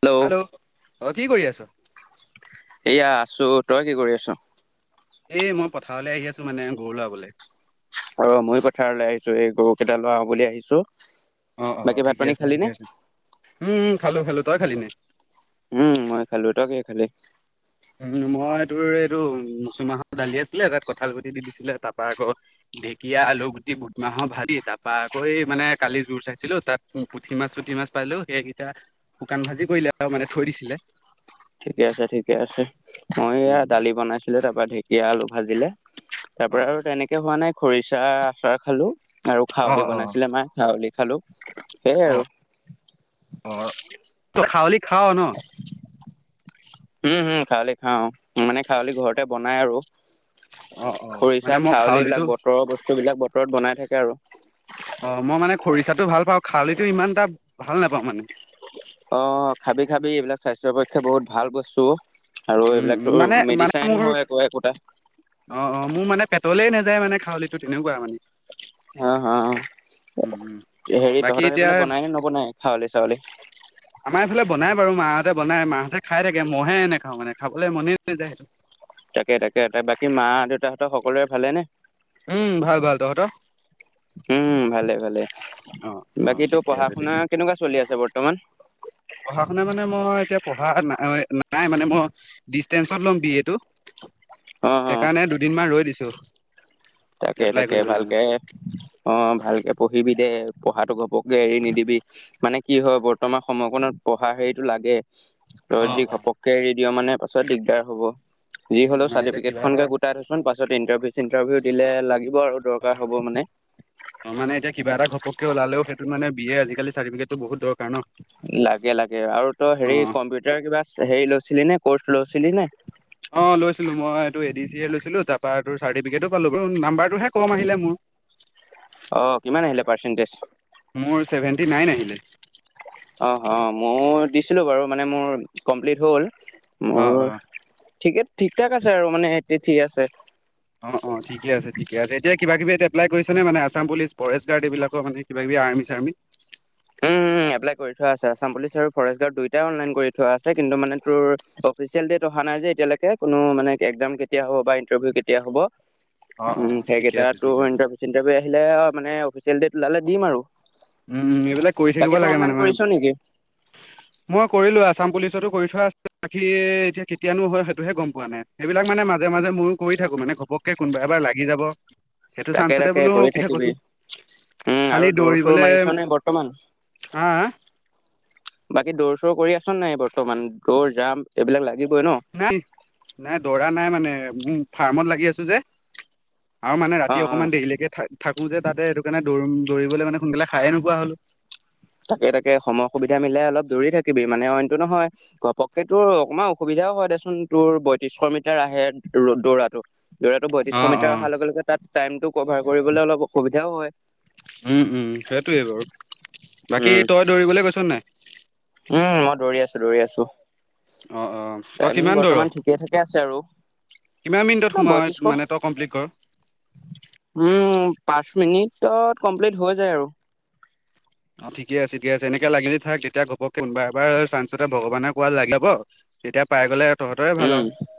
Hello অ কি কৰি আছ? এয়া ছো তই কি কৰি আছ'? এ মই পথাৰলৈ আহি আছো মানে গৰু লৰাবলে। অ', মই পথাৰলৈ আহিছো এই গৰু কেইটা লোৰাৱ বুলি আহিছো। অ', অ'- বাকী ভাত ঠিকে পানী আছে, খালি নে ঠিকে আছে, উম, উম, খালো, খালো তই খালি নাই? উম, মই খালো, তই কিহে খালি? উম মই তোৰ এইটো মচুমাহৰ দালি আছিলে তাত কঁঠাল গুটি দি দিছিলে তাৰ পৰা আকৌ ঢেঁকীয়া আলু গুটি বুদ মাহৰ ভাগি তাৰপা আকৌ এই মানে কালি জোৰ চাইছিলো তাত পুঠি মাছ চুঠি মাছ পালো সেইকেইটা শুকান ভাজি কৰিলে আৰু মানে থৈ দিছিলে। ঠিকে আছে, ঠিকে আছে মই এয়া উম দালি বনাইছিলো তাৰপা ঢেঁকীয়া আলু ভাজিলে। তাৰ অ পৰা আৰু তেনেকে হোৱা নাই খৰিচা আচাৰ খালো। আৰু অ খউলি অ বনাইছিলে মা খাৱলি খালো সেয়াই অ অ আৰু। অ', তই খাৱলি খা ন'? উম, হম খাৱলি খাওঁ মানে খাৱলি ঘৰতে বনাই আৰু। অ অ খৰিচা মানে মই খউল বিলাক খাৱলিটো বতৰৰ বস্তু বিলাক বতৰত বনাই থাকে। আৰু অ'- মই মানে খৰিচাটো ভাল পাওঁ, খালিটো ইমান এটা ভাল নেপাওঁ মানে। অ খাবি, খাবি এইবিলাক স্বাস্থ্যৰ পক্ষে বহুত ভাল বস্তু। আৰু উম, উম, এইবিলাকতো মানে মানে মেডিচাইনো মোৰ হয় একো একোটা। অ', অ', মোৰ মানে পেটলেই নাযায় মানে খাউলিটো তেনেকুৱা মানে। অ অ উম, উম, হেৰি বাকী তহঁতৰ সি এতিয়া পলে বনায় নে নবনায় খউলি চাউলি? আমাৰ এইফালে বনাই বাৰু মাহঁতে বনাই মাহঁতে খাই থাকে মহে এনে খাওঁ মানে। খাবলৈ মনেই নাযায় সেইটো। তাকে, তাকে ত বাকী মা দেউতাহঁতৰ সকলোৰে ভালে নে? উম ভাল ভাল তহঁতৰ উম ভালে -ভালে অ', অ', বাকী তো ঠিকে পঢ়া আছে শুনা ঠিকে আছে কেনেকুৱা চলি আছে বৰ্তমান পঢ়া শুনা মানে মই এতিয়া পঢ়া নাই নাই মানে মই। ডিচেঞ্চত ল'ম বি এ টো অ অ সেইকাৰণে দুদিনমান ৰৈ দিছো তাকে- তাকে ভালকে অ ভালকে পঢ়িবি দে পঢ়াটো ঘপকে এৰি নিদিবি মানে কি হয় বৰ্তমান সময়কণত পঢ়া হেৰিতটো লাগে। তই অ', যদি অ'। ঘপককে এৰি দিওঁ মানে পাছত দিগদাৰ হব যি উম, হলেও মানে এতিয়া কিবা চাৰ্টফিকটখন এটা কে গোটাই থছচ পাছত ইণ্টাৰউ চিন্টাৰভিউ। দিলে লাগিব আৰু দৰকাৰ অ', হ'ব মানে। ওলালে সেই টো মানে আজি কালি চাৰ্টিফিকেট টো বহুত দৰকাৰ ন ' লাগে লাগে আৰু তই হেৰি কম্পিউটাৰ কিবা হেৰি লৈছিলি নে কৰ্চ লৈছিলি নে। অ লৈছিলো মই এইটো এডি চি এ লৈছিলো তাৰ চাৰ্টিফিক পালো নাম্বাৰটোহে কম আহিলে মোৰ। [inaudible] অ 'কিমান আহিলে পাৰ্চেণ্টেজ মোৰ চেৱেন্তি নাইন আহিলে অ' অ' মোৰ দিছিলোঁ বাৰু মানে মোৰ কমপ্লিট হ'ল অ' মোৰ অ' ঠিকে ঠিক ঠাক আছে আৰু মানে সতি ঠিক আছে অ -অ ঠিকে আছে ঠিকে আছে এতিয়া কিবা কি এটা এপ্লাই কৰিছে মানে আছাম পুলিচ ফৰেষ্ট গাৰ্ড এইবাকৰ মানে কিবা কিবি আৰ্মি চাৰ্মি। উমম এপ্লাই কৰি থোৱা আছে আছাম পুলিচ আৰু ফৰেষ্ট গাৰ্ড দুইটাই অনলাইন কৰি থোৱা আছে কিন্তু মানে তোৰ। অফিচেল ডেট অহা নাই যে এতিয়ালৈকে কোনো মানে একসাম কেতিয়া হ'ব বা ইণ্টাৰভিউ কেতিয়া হ'ব অ' উম অ' ঠিকে আছে সেইকেইটাতো ঠিকে আছে। ইণ্টাৰভিউ চিটাৰভিউ আহিলে। মানে অফিচিয়েল ডেট ওলালে দিম আৰু। উম এইবিলাক কৰি থাকিব বাকী তই লাগে অনলাইন মানে মানে কৰিছ নেকি? মই কৰিলো আছাম পুলিচ। কৰি থ এতিয়া কেতিয়ানো হয় সেইটোহে গম পোৱা নাই সেইবিলাক মানে মাজে মাজে মইো কৰি থাকো মানে। ঘপককে কোনোবা এবাৰ লাগি যাব। সেইটো তাকে চানঞ্চতে তাকে বোলো কৰি কিঠথা কৈছো থাকিবি উম খালি আৰু দৌৰ দৌৰি। চৌৰ বোলে মাৰিছ নে বৰ্তমান? হা। বাকী দৌৰ চৌৰ কৰি আছ নাই বৰ্তমান দৌৰ জাম এইবিলাক লাগে। নাই নাই দৰা নাই মানে উ ফাৰ্মত লাগি আছো যে। আৰু মানে অ ৰাতি অ অকনমান দেৰিলৈকে থাকি থাকো যে তাতে সেইটো কাৰণে দৌৰিম দৌৰিবলৈ মানে সোনকালে খায়ে নোপোৱা হলো। তাকে তাকে সময় সুবিধা মিলাই অলপ দৌৰি থাকিবি মানে অইনতটো নহয় ঘপকেেতো অকণমান অসুবিধা। এতিয়াও হয় দেচোন তোৰ বয়ত্ৰিশ মিটাৰ আহে দৌৰাতটো। দৌৰাটো বয়ত্ৰিশ অ অ মিটাৰ অহাৰ লগে লগে তাত টাইমটো কভাৰ কৰিবলৈ অলপ অসুবিধাও হয় উম উম সেইটোৱে বাৰু বাকী উম তই দৌৰিবলৈ কৈছ নাই। উম মই দৌৰি আছো দৌৰি আছো। অ অ তই টাইমিং কিমান দৌৰ বৰ্তমান ঠিকে থাকে আছে আৰু। কিমান মিনিটত সোমা বয়ত্ৰিশশ মানে তই কমপ্লিট কৰ। উম পাঁচ মিনিটত কমপ্লিট হৈ যায় আৰু। অ' ঠিকে আছে ঠিক আছে এনেকে লাগিলি থাক তেতিয়া ঘপক কোনোবা এবাৰ চাঞ্চতে ভগৱানৰ কোৱাত লাগি যাব। তেতিয়া পাই গলে তহঁতেৰে ভাল উম আৰু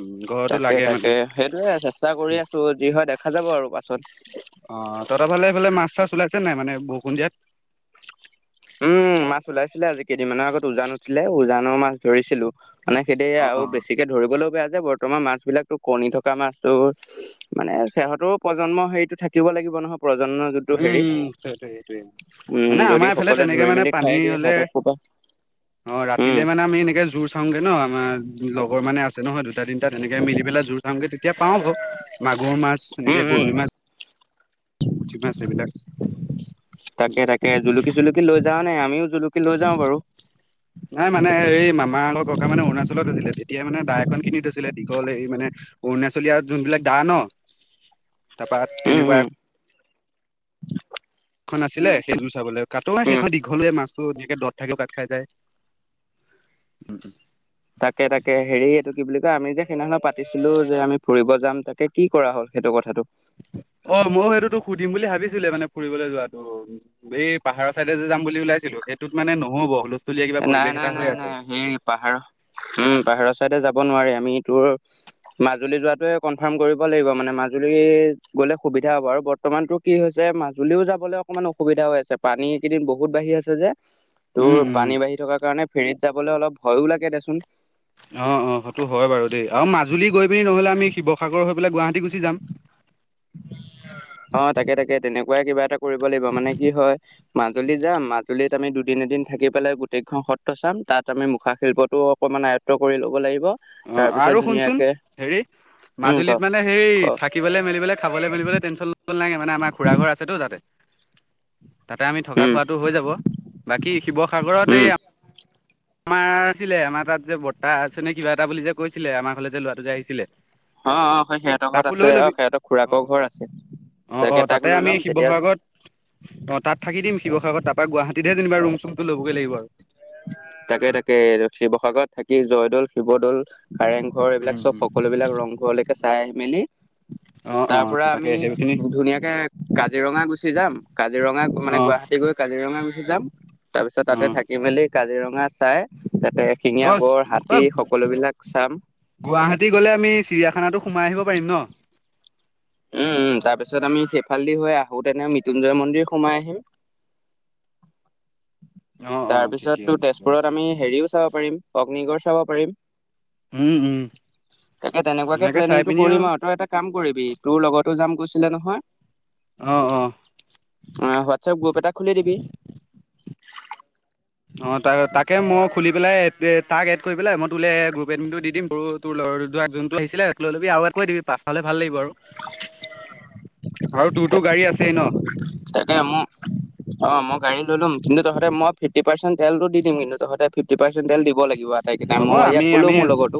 উম, ঘৰতো তাকে লাগে মানে তাকে সেইটোয়ে চেষ্টা কৰি আছো যি হয় দেখা যাব আৰু পাছত। অ ' তহফালে সফালে মাছ চাছ ওলাইছে নাই মানে বৰষুণ দিয়াত। উম মাছ ওলাইছিলে আজি কেইদিনমানৰ আগত উজান উঠিলে উজানৰ মাছ ধৰিছিলো মানে সেইদি অ আৰু অ বেছিকে ধৰিবলৈও বেয়া বৰ্তমান মাছ বিলাকো কণী থকা মাছতো মানে সিহঁতৰো প্ৰজন্ম হেৰিতটো থাকিব লাগিব নহয়। প্ৰজন্ম যোনটো উম- হেৰি উম সেই সেইটোৱে উম মানে যদি আমাৰ এইফালে সকলোৱে তেনেকে ধৰি মানে মেলি পানী খাই দিয়ে হলে সিহঁতক ক'বা অ' উম ৰাতিলে মানে আমি এনেকে জোৰ চাওঁগে ন। ন আমাৰ লগৰ মানে আছে নহয় দুটা তিনিটা তেনেকে মিলি পেলাই জোৰ চাওঁগে তেতিয়া পাও মাগুৰ মাছ, উম এনেকে উম গৰৈ মাছ মাছ বিলাক। তাকে তাকে জুলুকি চুলুকি লৈ যাওঁ নে আমিও জুলুকি লৈ যাও বাৰু। নাই মানে এই মামাৰ লগৰ ককা মানে অৰুণাচলত আছিলে তেতিয়াই মানে দাই এখন কিনি থৈছিলে দীঘল এই মানে অৰুণাচলীয়া যোনবিলাক দা ন তাৰপা উম তেনেকুৱা উম [inaudible] এখন আছিলে সেইযোৰ চাবলৈ কাটো উম সেইখন দীঘলয়ে মাছ দত থাকি ভাত খাই যায়। তাকে তাকে হেৰি এইটো কি বুলি আমি যে সেইদিনাে পাতিছিলোঁ যে আমি ফুৰিব যাম তাকে কি কৰা হ'ল সেইটো কথাটো। [inaudible] অ ময়ো সেইটোতো সুধিম বুলি ভাবিছিলে মানে ফুৰিবলৈ যোৱাতটো এই পাহাৰৰ চাইডে যে যাম বুলি ওলাইছিলোঁ। সেইটোত মানে নহ'বহ। নাই নাই নাই নাই হে পাহাৰৰ উম পাহাৰৰ চাইডে যাব নোৱাৰি। আমি তোৰ মাজুলী যোৱাাতোৱে কনফাৰ্ম কৰিব লাগিব মানে মাজুলী গ'লে সুবিধা হ'ব আৰু। বৰ্তমানতো কি হৈছে মাজুলীও যাবলৈ অকমান অসুবিধা হৈ আছে পানী এইকেইদিন বহুত বাঢ়ি আছে যে। তোৰ উম। উম পানী বাঢ়ি থকাৰ কাৰণে ফেৰীত যাবলৈ অলপ ভয়ো লাগে দেচোন। অ অ সেইটো হয় বাৰু দেই আৰু মাজুলী গৈ পিনি নহ'লে আমি শিৱসাগৰ হৈ গুৱাহাটী গুচি যাম। অ তাকে তাকে তেনেকুৱাই কিবা এটা কৰিব লাগিব মানে কি হয় মাজুলী যাম মাজুলীত আমি দুদিন দিন থাকি পেলাই গোটেইখন সত্ৰ চাম তাত আমি মুখা শিল্পটোও অকণমান আয়ত্ব কৰি ল'ব লাগিব। অ তাৰপিছত আৰু শুনচোন ধুনীয়াকে হেৰি উম ক মাজুলীত মানে ক সেই থাকিবলে মেলিবলৈ খাবলৈ মেলিবলৈ টেনচন ল নাইে মানে আমাৰ খুড়া ঘৰ আছেতো তাতে। তাতে আমি থকা উম খোৱাটো হৈ যাব। বাকী শিৱসাগৰত উম এই আমাৰ আছিলে আমাৰ তাত যে বৰ্তা আছে নে কিবা এটা বুলি যে কৈছিলে আমাৰ ফালে যে লোৱাটো যে আহিছিলে। অ অ স সিহঁতৰ তাকো ঘৰত লৈ আছে অ ল'বি। সিহঁতৰ অ খুৰাকৰ ঘৰ আছে। অ অ তাকে তাক তাতে লৈ আমি ল'ম তেতিয়া শিৱসাগৰত অ তাত থাকি দিম শিৱসাগৰত ত গুৱাহাটী যেনিবা ৰুম চুম তো লবগৈ লাগিব আৰু। তাকে তাকে শিৱসাগৰত থাকি জয়দৌল, শিৱদ'ল কাৰেংঘৰ এইবিলাক চব সকলোবিলাক ৰংঘৰলৈকে চাই মেলি [inaudible] তাৰ পৰা তাকে আমি সেইখিনি ধুনীয়াকে কাজিৰঙা গুচি যাম কাজিৰঙা মানে অ', গুৱাহাটী গৈ কাজিৰঙা গুচি যাম তাৰ পিছত তাতে অ', থাক কি কাজিৰঙা চাই তাতে এশিঙীয়া অ', গঁড়, হাতী অ', সকলোবিলাক চাম। গুৱাহাটী গ'লে আমি চিৰিয়াখানাতো সোমাই আহিব পাৰিম ন। উম উম তাৰ পিছত আমি সেইফালদি হৈ আহো তেনে মৃত্যুঞ্জয় মন্দিৰ সোমাই আহিম। [inaudible] অ', অ', তাৰ ঠিকে পিছত আছে ঠিকে তেজপুৰত আছে। আমি হেৰিও চাব পাৰিম অগ্নিগড় চাব পাৰিম। উম, উম, তাকে তেনেকুৱাকে ধুনীয়াকে চাই প্লেনিংটো পিনি কৰিম আৰু তই এটা কাম কৰিম। তোৰ লগতো যাম গৈছিলে নহয়। অ', অ', অ হোৱাটছএপ গ্ৰুপ এটা খুলি দিবি। মই খুলি পেলাই তাক এড কৰি পেলাই মই তোলে গ্ৰুপ এডমিন টো দি দিম বু তোৰ লগৰ যোনটো আহিছিলে এড কৰি দিবি পাঁচটা হলে ভাল লাগিব আৰু। আৰু তোৰ তো গাড়ী আছেই ন? তাকে মোৰ অ মই গাড়ীলৈ লম কিন্তু তহতে মই ফিফটি পাচেণ্ট তেলটো দিম কিন্ত তহতে ফিফটি পাচেণ্ট তেল দিব লাগে। আতাইকেইতাই হ'ব মই ইয়াক আমি কলো আমি মোৰ লগতো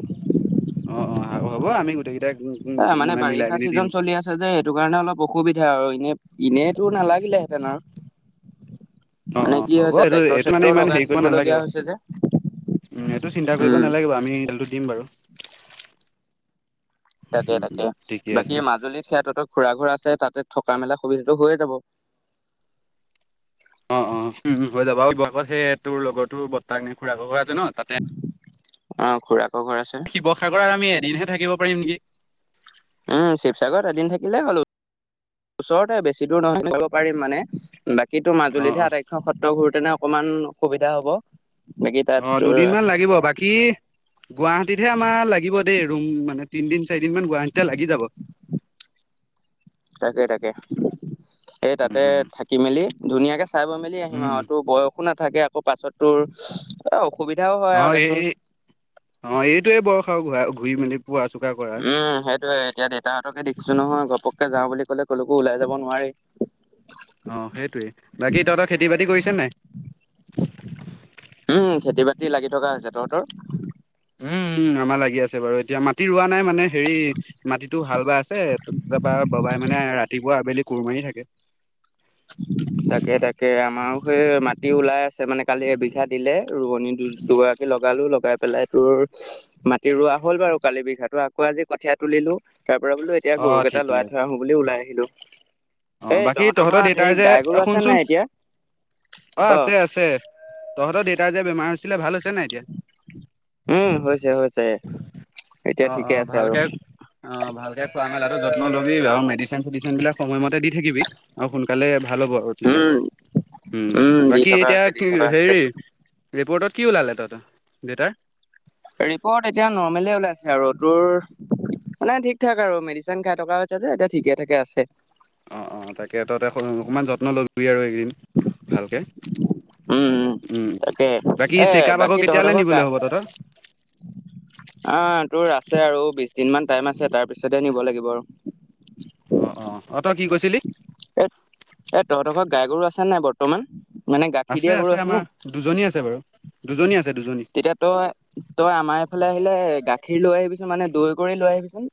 অ', অ', হ'ব আমি গোটেইকেইটাই এ মানে মিলাই বাৰিষা মেলি দিম চিজন চলি আছে যে? সেইটো কাৰণে অলপ অসুবিধা আৰু এনে এনেইতো নালাগিলেহেঁতেন আৰু অ', মানে অ', কি হ'ব হৈছে এইটো ট্ৰেক্টৰ এইটো মানে চেক্টৰ ইমান হেৰি লগাই কৰিব থাকিব নালাগে লগীয়া হৈছে যে এইটো চিন্তা কৰিব উম নালাগে বাৰু আমি ৰিজাল্ট টো দিম বাৰু তাকে, উম, তাকে উম, ঠিকে বাকী আছে মাজুলীত সিহঁতো খুৰা ঘৰ- আছে তাতে থকা মেলা সুবিধাটো হৈয়ে যাব। অ' অ' হৈ যাব আৰু ব আগত সেই তোৰ লগৰটো বৰ্তাক নে খুৰা আছে ন তাতে অ' খুৰাক। শিৱসাগৰত আমি এদিনহে থাকিব পাৰিম নেকি। উম শিৱসাগৰত এদিন থাকিলে হ'ল ওচৰতে বেছি দূৰ নহয় [unintelligible] পাৰিম মানে। কিন্তু অ', মাজুলীতহে অ', আটাইকেইখন সত্ৰ ঘূৰোতেনে অকনমান অসুবিধা হব। বাকী তাত অ, তোৰ দুদিনমান লাগিব বাকী গুৱাহাটীতহে আমাৰ লাগিব দেই ৰুম মানে তিনদিন চাৰিদিনমান গুৱাহাটীতে লাগি যাব। এ উম, তাতে উম, থাকি মেলি ধুনীয়াকে চাই বৈ মেলি আহিম উম, উম, আৰু টো বয়সো না থাকে আকৌ পাছত তোৰ এ অসুবিধাও হয় অ, আৰু এই- দেচোন এই অ, এইটোয়ে বয়স আৰু ঘূৰি মেলি ফুৰা চকা কৰা উম, সেইটোয়ে এতিয়া দেউতাহতকে দেখিছো নহয় গপ ঘপক্কে যাওঁ বুলি ক'লে কওঁলোকো ওলাই যাব নোৱাৰেই। অ, সেইটোৱেই বাকী তহতৰ খেতি-বাতি কৰিছ নে নাই? উম, খেতি-বাতি লাগি থকা হৈছে তহঁতৰ? উম-উম আমাৰ লাগি আছে বাৰু এতিয়া মাটি ৰোৱা নাই মানে হেৰি মাটিটো হাল বাই আছে তাৰপা বাবাই মানে ৰাতিপুৱা, আবেলি কোৰ মাৰি থাকে। তাকে-তাকে আমাৰ সেই মাট টি ওলাই আছে মানে কালি এবিঘা দিলে ৰোৱনী দু - দুগৰাকী লগালো লগাই পেলাই তোৰ মাটি ৰোৱা হ'ল বাৰু কালি বিঘাতো আকৌ আজি কঠীয়া তুলিলো তাৰ পৰা বোলো এতিয়া অ গৰুকেইটা ঠিকে উলাই থৈ আহো বুলি ওলাই আহিলো। অ, এই বাকী তহঁতৰ ঘৰত দেউতাই হেৰি যে গাই গৰু এ আছে নাই শুনচোন এতিয়া? অ, ক। আছে-আছে। তহঁতৰ দেউতা যে বেমাৰ হৈছিলে ভাল হৈছেনে নাই এতিয়া? যে এতিয়া অ অ ঠিকে আছে আৰু। ভালকে অ, ভালকে খোৱা মেলাটো যত্ন লবি আৰু মেডিচিন-চেডিচিন বিলাক সময়মতে দি থাকিবি অ, সোনকালে ভাল হ'ব আৰু তেতিয়া। উম উম, দি বাকী থকা এতিয়া হৈছে দি কি থকা হৈছে হেৰি ৰিপৰ্টত কি ওলালে তহঁতৰ দেউতাৰ? ৰিপৰ্ট এতিয়া নৰ্মলে ওলাইছে আৰু ৰ তোৰ মানে ঠিক ঠাক আৰু মেডিচিন খাই থকা হৈছে যে এতিয়া ঠিকে ঠাকে আছে। অঁ অঁ তাকে ততে অকণমান যত্ন ল'বি আৰু এইকেইদিন ভালকৈ উম উম তাকে বাকী এ চেকাপ আকৌ বাকী কেতিয়ালৈ নিবলৈ হ'ব তহঁতৰ? আহ তোৰ আছে আৰু বিশ দিন মমান টাইম আছে তাৰপিছতে নিব লাগিব আৰু। অ অ অ তই কি কৈছিলি? এ এ তহঁ তখৰত গাই গৰু আছে নাই বৰ্তমান? মানে গাখীৰ আছে দিয়া গৰু আছে নে আমাৰ দুজনী আছে বাৰু দুজনী আছে দুজন। তেতিয়া তই তই আমাৰ এইফালে আহিলে। গাখীৰ লৈ আহিবিচোন মানে দৈ কৰি লৈ আহিবিচোন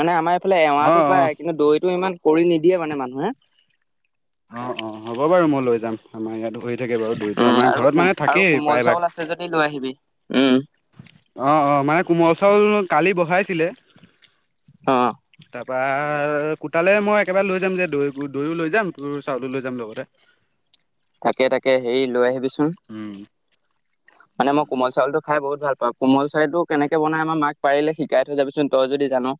মানে আমাৰ এইফালে এৱাটো অ', অ', পায় কিন্তু দৈতটো ইমান কৰি নিদিয়ে মানে মানুহে। অ অ হ'ব বাৰু মই লৈ যাম আমাৰ ইয়াতো। বি থাকে বাৰু দইতটো উম আমাৰ আৰু ঘৰত কোম মানে আৰু থাকেই কোমল চাউল আছে প্ৰায়ভাগ। যদি লৈ আহিবি। উম। অঁ, অঁ। মানে কোমল চাউল কালি বহাইছিলে। অ', তাৰপা ৰ কোতালে মই একেবাৰে লৈ যাম যে দৈ দৈও লৈ যাম তোৰ চাউলো লৈ যাম লগতে। তাকে তাকে হেৰি লৈ আহিবিচোন উম, মানে মই কোমল চাউলতটো খাই বহুত ভাল। ত কোমল চাৰিতটো কেনেকে বনাই আমাৰ মাক পাৰিলে শিকাই থৈ যাবিচোন তই যদি জান।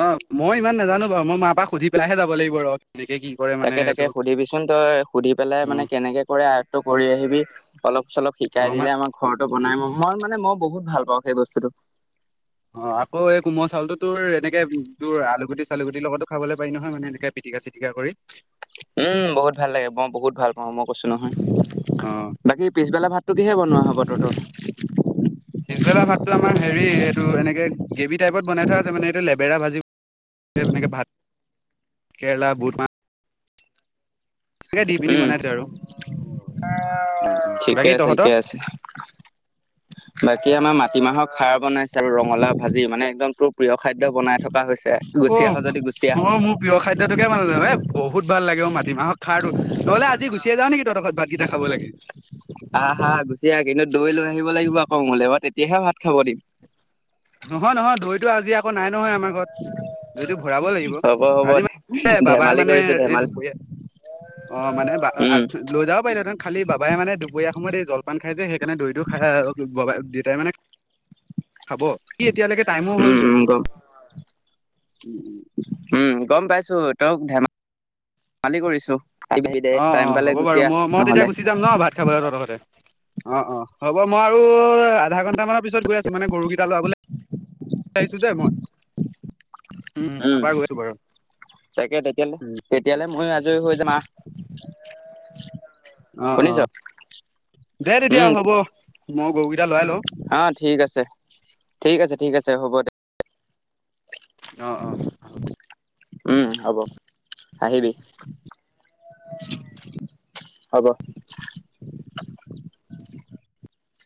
অ মই ইমান নাজানো বাৰু মই মা পৰাাক সুধি পেলাইহে যাব লাগিব ৰ। কেনেকে কি কৰে মানে তাকে এইটো তাকে সুধিবিচোন তই সুধি পেলাই মানে অ', কেনেকে কৰে আয়ত্বটো কৰি আহিবি অলপ চলপ অ', শিকাই মা দিলে আমাৰ ঘৰতো বনাই ম মই মানে মই বহুত ভাল পাওঁ সেই বস্তুটো। অ আকৌ এই কোমল চাউল তোৰ এনেকে তোৰ আলুগুটি চালুগুটিৰ লগতো খাবলৈ পাৰি নহয় মানে এনেকে পিটিক চিটিকা কৰি। উম বহুত ভাল লাগে মই বহুত ভাল পাওঁ মই কৈছো নহয়। বাকী পিছবেলা ভাত পিবেলা ভাতটো আমাৰ হেৰি এইটো এনেকে গ্ৰেভি টাইপত বনাই থোৱা আছে মানে এইটো লেবেৰা ভাজি এনেকে ভাত। কেৰেলা বুটমাহ। তাকে দি পিনি উম বনাইছো আৰু। উম উম ঠিকে বাকী আছে ঠিকে তহঁতৰ? আছে। বাকী আমাৰ মাটিমাহৰ খাৰ বনাইছে আৰু ৰঙালাও ভাজি মানে একদম তোৰ প্ৰিয় খাদ্য বনাই থকা হৈছে। অ গুচি আহ যদি গুচি আহ অ মোৰ প্ৰিয় খাদ্যটোকে মানে জান বহুত ভাল লাগে অ মা তিমাহৰ খাৰ টো নহলে আজিয়েই গুচি যাওঁ নেকি তত ঘৰত ভাত কেইটা খাবলেকে। আহ আহা গুচি আহ কিন্তু দৈ লৈ আহিব লাগিব আকৌ মোলে ব তেতিয়াহে ভাত খাব দিম। নহয় নহয় দৈতো আজি আকৌ নাই নহয় আমাৰ ঘৰত। এইটো ভৰাব লাগিব হ'ব হ'ব আজি মান বাবাই ধেমালি মানে কৰিছো এই ধেমালি দুপৰীয়া অ মানে বা উম লৈ যাব পাৰিলেঁতেন খালি বাবাই মানে দুপৰীয়া সময়ত এই জলপান খাই যে সেইকাৰণে দৈতটো খাই বাই দেটাই মানে খাব কি এতিয়ালৈকে টাইমো হ'ল উম যে। উম গম উম গম পাইছো। তেওঁক ধেমি ধেমালি কৰিছোঁ। অঁ অঁ হ'ব বাৰু মই মই তেতিয়া গুচি যাম ন ভাত খাবলৈ তহতৰ ঘৰতে। অ অ হ'ব মই আৰু আধা ঘন্টা মানৰ পিছত গৈ আছো মানে গৰুকেই লাবলৈ আহিছোঁ যে মই। উম তাপা গৈছো বাৰু তাকে তেতিয়ালে উম ঠিকে তেতিয়ালে আছে ময়ো আজৰি হৈ ঠিকে। যাম আহ অ অ। শুনিছ দে তেতিয়া উম হ'ব মই গৰুকেইটা লৰাই লওঁ। অ ঠিক আছে ঠিক আছে ঠিক আছে হ'ব দে। আহ অ। ম হব। আহিবি হব। [inaudible]